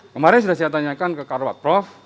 kemarin sudah saya tanyakan ke karwat prof